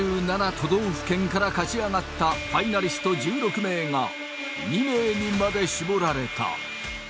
都道府県から勝ち上がったファイナリスト１６名が２名にまで絞られた